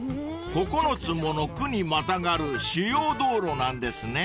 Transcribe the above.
［９つもの区にまたがる主要道路なんですね］